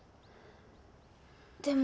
でも。